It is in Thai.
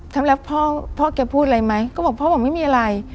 ทำแล้วพ่อพ่อแกพูดอะไรไหมก็บอกพ่อบอกไม่มีอะไร